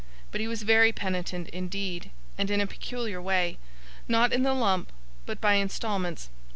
But he was very penitent indeed, and in a peculiar way not in the lump, but by instalments.